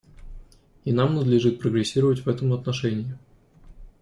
И нам надлежит прогрессировать в этом отношении.